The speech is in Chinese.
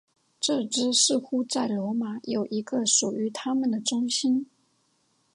这支似乎在罗马有一个属于他们的中心。